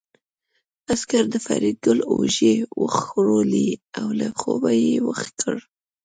عسکر د فریدګل اوږې وښورولې او له خوبه یې ويښ کړ